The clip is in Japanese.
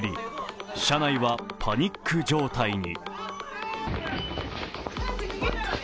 車内はパニック状態に。